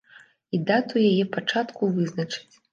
І дату яе пачатку вызначаць.